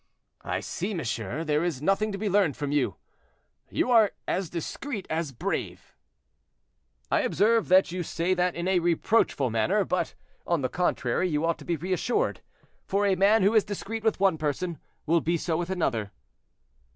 "I see, monsieur, there is nothing to be learned from you; you are as discreet as brave." "I observe that you say that in a reproachful manner; but, on the contrary, you ought to be reassured, for a man who is discreet with one person will be so with another."